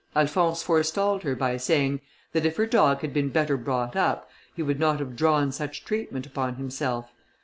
Alphonse forestalled her by saying, that if her dog had been better brought up, he would not have drawn such treatment upon himself.